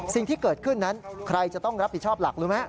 สิ่งที่เกิดขึ้นนั้นใครจะต้องรับผิดชอบหลักรู้ไหม